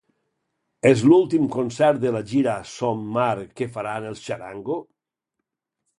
És l'últim concert de la gira Som mar que faran els Txarango?